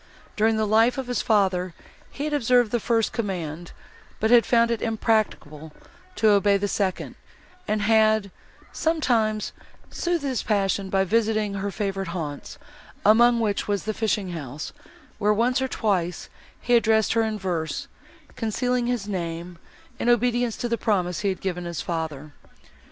During the life of his father, he had observed the first command, but had found it impracticable to obey the second, and had, sometimes, soothed his passion by visiting her favourite haunts, among which was the fishing house, where, once or twice, he addressed her in verse, concealing his name, in obedience to the promise he had given his father.